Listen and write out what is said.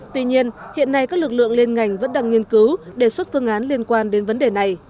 tuy nhiên hiện nay các lực lượng liên ngành vẫn đang nghiên cứu đề xuất phương án liên quan đến vấn đề này